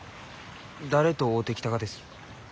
誰と会うてきたがです？